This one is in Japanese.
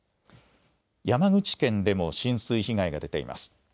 山口県でも浸水被害が出ています。